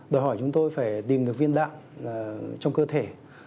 đòi hỏi chúng tôi phải tìm được viên đạn trong cơ thể